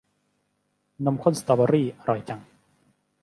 นมข้นสตอเบอร์รี่ อร่อยจัง